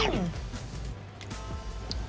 อืม